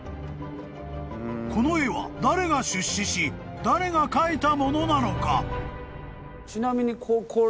［この絵は誰が出資し誰が描いた物なのか］